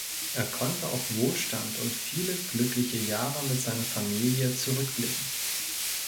Er konnte auf Wohlstand und viele glückliche Jahre mit seiner Familie zurückblicken.